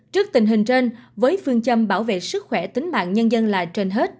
trước tình hình trên với phương châm bảo vệ sức khỏe tính mạng nhân dân là trên hết